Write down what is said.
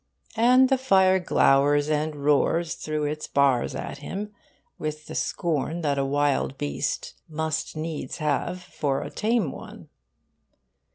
And the fire glowers and roars through its bars at him with the scorn that a wild beast must needs have for a tame one.